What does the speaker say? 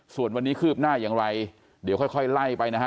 ส่วนวันนี้คืบหน้าอย่างไรเดี๋ยวค่อยไล่ไปนะฮะ